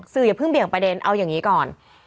อย่าเพิ่งเบี่ยงประเด็นเอาอย่างนี้ก่อน